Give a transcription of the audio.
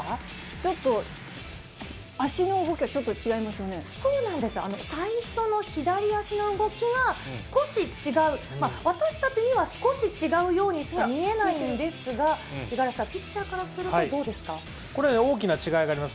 ちょっと、足の動きがちょっそうなんですよ、最初の左足の動きが、少し違う、私たちには少し違うようにしか見えないんですが、五十嵐さん、これね、大きな違いがあります。